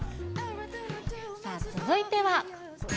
さあ続いては。